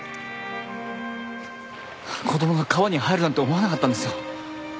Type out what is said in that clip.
子供が川に入るなんて思わなかったんですよ。